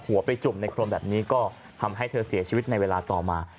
อันนี้ก็ทำให้เธอเสียชีวิตในเวลาต่อมา